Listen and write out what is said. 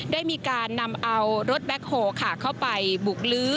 ได้มีการนำเอารถแบ็คโฮลค่ะเข้าไปบุกลื้อ